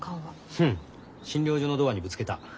フンッ診療所のドアにぶつけた。